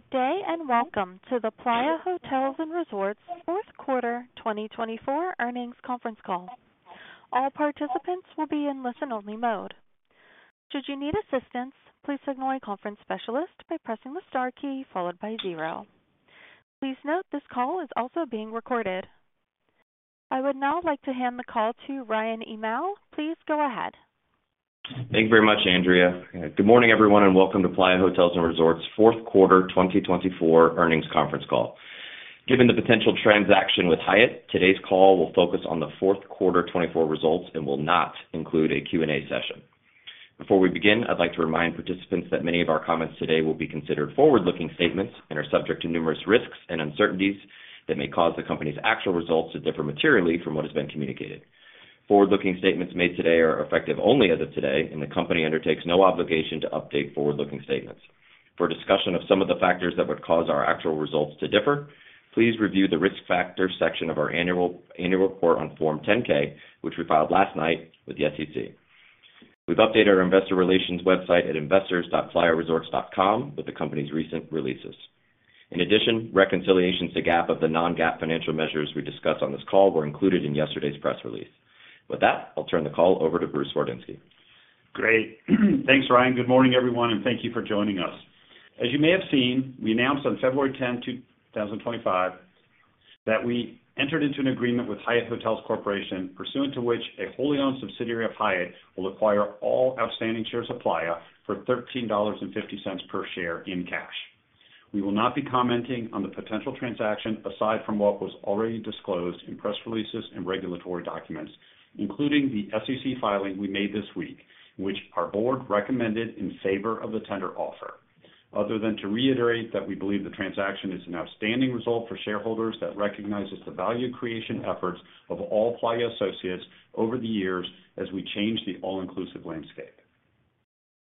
Good day and welcome to the Playa Hotels & Resorts Fourth Quarter 2024 earnings conference call. All participants will be in listen-only mode. Should you need assistance, please signal a conference specialist by pressing the star key followed by zero. Please note this call is also being recorded. I would now like to hand the call to Ryan Hymel. Please go ahead. Thank you very much, Andrea. Good morning, everyone, and welcome to Playa Hotels & Resorts Fourth Quarter 2024 earnings conference call. Given the potential transaction with Hyatt, today's call will focus on the Fourth Quarter 2024 results and will not include a Q&A session. Before we begin, I'd like to remind participants that many of our comments today will be considered forward-looking statements and are subject to numerous risks and uncertainties that may cause the company's actual results to differ materially from what has been communicated. Forward-looking statements made today are effective only as of today, and the company undertakes no obligation to update forward-looking statements. For discussion of some of the factors that would cause our actual results to differ, please review the risk factors section of our annual report on Form 10-K, which we filed last night with the SEC. We've updated our investor relations website at investors.playaresorts.com with the company's recent releases. In addition, reconciliations to GAAP of the non-GAAP financial measures we discussed on this call were included in yesterday's press release. With that, I'll turn the call over to Bruce Wardinski. Great. Thanks, Ryan. Good morning, everyone, and thank you for joining us. As you may have seen, we announced on February 10, 2025, that we entered into an agreement with Hyatt Hotels Corporation, pursuant to which a wholly-owned subsidiary of Hyatt will acquire all outstanding shares of Playa for $13.50 per share in cash. We will not be commenting on the potential transaction aside from what was already disclosed in press releases and regulatory documents, including the SEC filing we made this week, which our board recommended in favor of the tender offer, other than to reiterate that we believe the transaction is an outstanding result for shareholders that recognizes the value creation efforts of all Playa associates over the years as we change the all-inclusive landscape.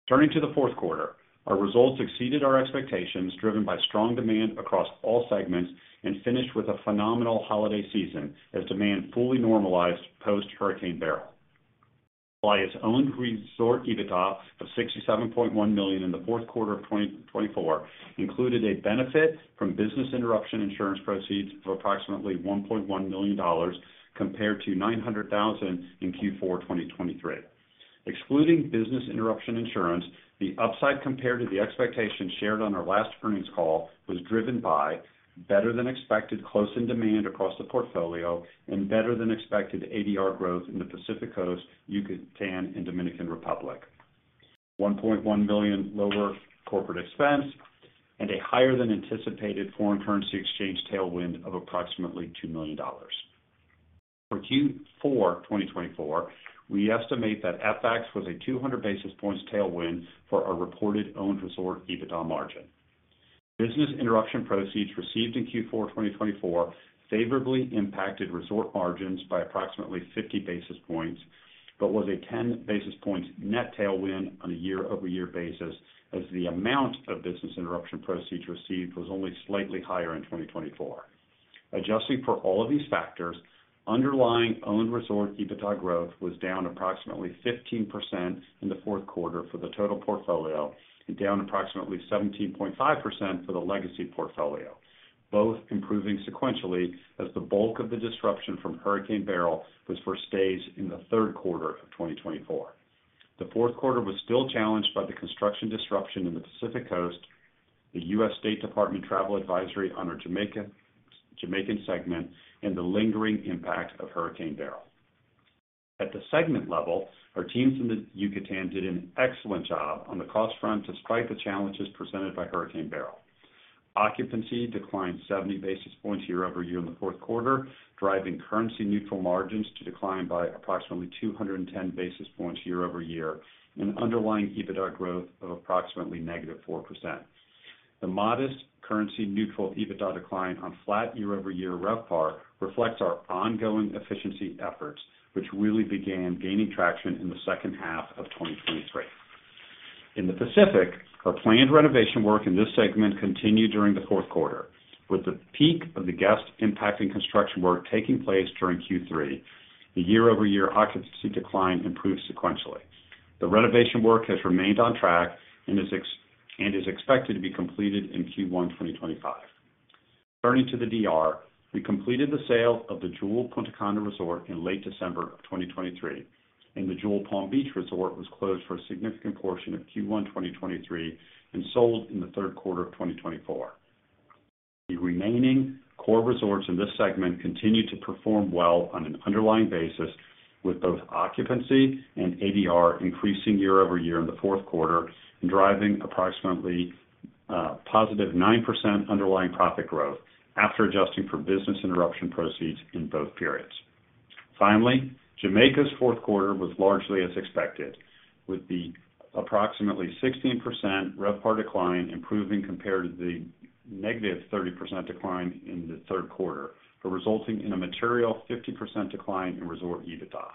Turning to the fourth quarter, our results exceeded our expectations, driven by strong demand across all segments, and finished with a phenomenal holiday season as demand fully normalized post-Hurricane Beryl. Playa's owned resort EBITDA of $67.1 million in the fourth quarter of 2024 included a benefit from business interruption insurance proceeds of approximately $1.1 million compared to $900,000 in Q4 2023. Excluding business interruption insurance, the upside compared to the expectations shared on our last earnings call was driven by better-than-expected close-in demand across the portfolio and better-than-expected ADR growth in the Pacific Coast, Yucatan, and Dominican Republic, $1.1 million lower corporate expense, and a higher-than-anticipated foreign currency exchange tailwind of approximately $2 million. For Q4 2024, we estimate that FX was a 200 basis points tailwind for our reported owned resort EBITDA margin. Business interruption proceeds received in Q4 2024 favorably impacted resort margins by approximately 50 basis points but was a 10 basis points net tailwind on a year-over-year basis, as the amount of business interruption proceeds received was only slightly higher in 2024. Adjusting for all of these factors, underlying owned resort EBITDA growth was down approximately 15% in the fourth quarter for the total portfolio and down approximately 17.5% for the legacy portfolio, both improving sequentially as the bulk of the disruption from Hurricane Beryl was for stays in the third quarter of 2024. The fourth quarter was still challenged by the construction disruption in the Pacific Coast, the U.S. Department of State travel advisory on our Jamaican segment, and the lingering impact of Hurricane Beryl. At the segment level, our teams in the Yucatan did an excellent job on the cost front despite the challenges presented by Hurricane Beryl. Occupancy declined 70 basis points year-over-year in the fourth quarter, driving currency-neutral margins to decline by approximately 210 basis points year-over-year and underlying EBITDA growth of approximately -4%. The modest currency-neutral EBITDA decline on flat year-over-year RevPAR reflects our ongoing efficiency efforts, which really began gaining traction in the second half of 2023. In the Pacific, our planned renovation work in this segment continued during the fourth quarter, with the peak of the guest impacting construction work taking place during Q3. The year-over-year occupancy decline improved sequentially. The renovation work has remained on track and is expected to be completed in Q1 2025. Turning to the DR, we completed the sale of the Jewel Punta Cana Resort in late December of 2023, and the Jewel Palm Beach Resort was closed for a significant portion of Q1 2023 and sold in the third quarter of 2024. The remaining core resorts in this segment continued to perform well on an underlying basis, with both occupancy and ADR increasing year-over-year in the fourth quarter and driving approximately positive 9% underlying profit growth after adjusting for business interruption proceeds in both periods. Finally, Jamaica's fourth quarter was largely as expected, with the approximately 16% RevPAR decline improving compared to the negative 30% decline in the third quarter, but resulting in a material 50% decline in resort EBITDA.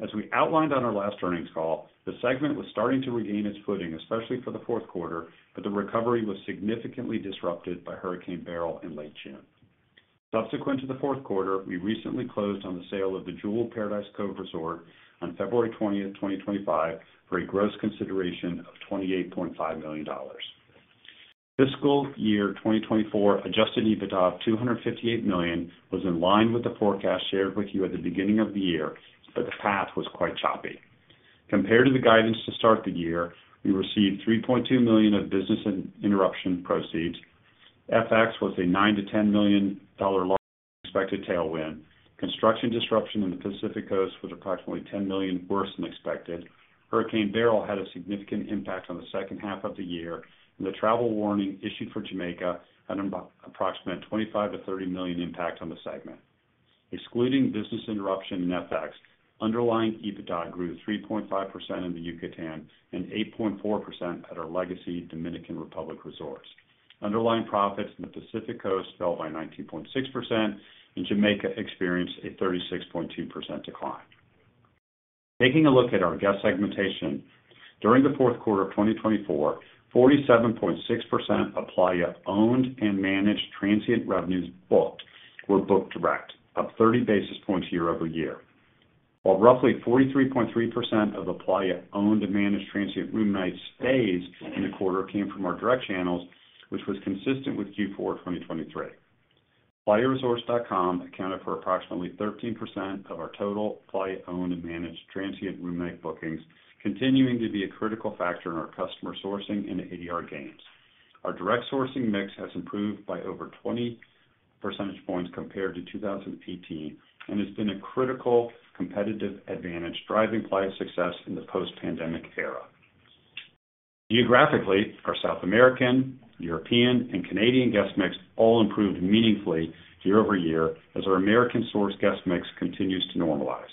As we outlined on our last earnings call, the segment was starting to regain its footing, especially for the fourth quarter, but the recovery was significantly disrupted by Hurricane Beryl in late June. Subsequent to the fourth quarter, we recently closed on the sale of the Jewel Paradise Cove Resort on February 20, 2025, for a gross consideration of $28.5 million. Fiscal year 2024 adjusted EBITDA, $258 million, was in line with the forecast shared with you at the beginning of the year, but the path was quite choppy. Compared to the guidance to start the year, we received $3.2 million of business interruption proceeds. FX was a $9 million-$10 million lower expected tailwind. Construction disruption in the Pacific Coast was approximately $10 million, worse than expected. Hurricane Beryl had a significant impact on the second half of the year, and the travel warning issued for Jamaica had an approximate $25 million-$30 million impact on the segment. Excluding business interruption and FX, underlying EBITDA grew 3.5% in the Yucatan and 8.4% at our legacy Dominican Republic resorts. Underlying profits in the Pacific Coast fell by 19.6%, and Jamaica experienced a 36.2% decline. Taking a look at our guest segmentation, during the fourth quarter of 2024, 47.6% of Playa-owned and managed transient revenues booked were booked direct, up 30 basis points year-over-year, while roughly 43.3% of the Playa-owned and managed transient room nights stays in the quarter came from our direct channels, which was consistent with Q4 2023. PlayaResorts.com accounted for approximately 13% of our total Playa-owned and managed transient room night bookings, continuing to be a critical factor in our customer sourcing and ADR gains. Our direct sourcing mix has improved by over 20 percentage points compared to 2018 and has been a critical competitive advantage driving Playa's success in the post-pandemic era. Geographically, our South American, European, and Canadian guest mix all improved meaningfully year-over-year as our American-sourced guest mix continues to normalize.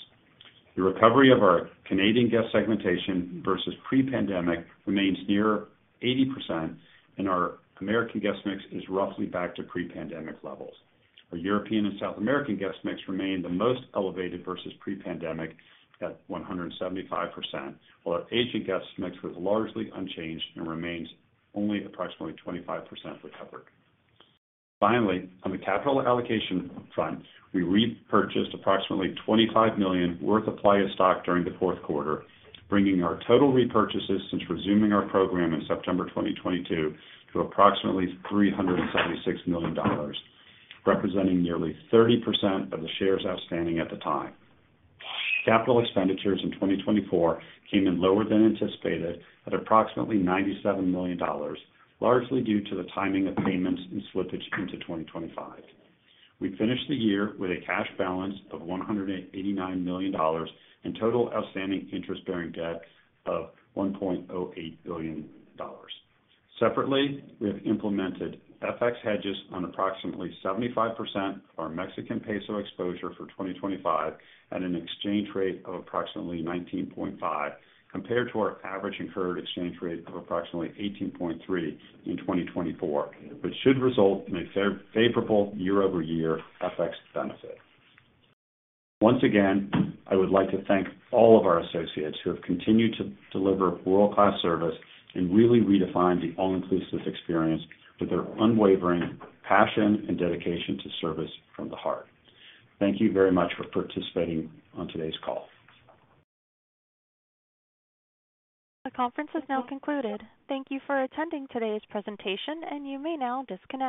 The recovery of our Canadian guest segmentation versus pre-pandemic remains near 80%, and our American guest mix is roughly back to pre-pandemic levels. Our European and South American guest mix remained the most elevated versus pre-pandemic at 175%, while our Asian guest mix was largely unchanged and remains only approximately 25% recovered. Finally, on the capital allocation front, we repurchased approximately $25 million worth of Playa stock during the fourth quarter, bringing our total repurchases since resuming our program in September 2022 to approximately $376 million, representing nearly 30% of the shares outstanding at the time. Capital expenditures in 2024 came in lower than anticipated at approximately $97 million, largely due to the timing of payments and slippage into 2025. We finished the year with a cash balance of $189 million and total outstanding interest-bearing debt of $1.08 billion. Separately, we have implemented FX hedges on approximately 75% of our Mexican peso exposure for 2025 at an exchange rate of approximately 19.5, compared to our average incurred exchange rate of approximately 18.3 in 2024, which should result in a favorable year-over-year FX benefit. Once again, I would like to thank all of our associates who have continued to deliver world-class service and really redefine the all-inclusive experience with their unwavering passion and dedication to Service from the Heart. Thank you very much for participating on today's call. The conference is now concluded. Thank you for attending today's presentation, and you may now disconnect.